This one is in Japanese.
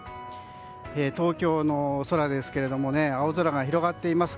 東京の空ですけども青空が広がっています。